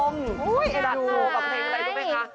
มาดูแปลงอะไรได้มั้ยคะ